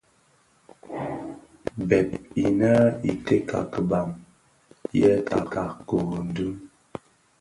Bêp inê i tèka kibàm yêê tèka kurundùng.